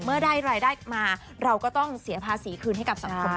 เมื่อได้รายได้มาเราก็ต้องเสียภาษีคืนให้กับสังคม